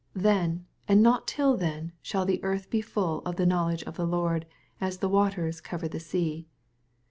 Then, and not till then, shall the earth be full of the knowledge of the Lord, as the waters cover the sea.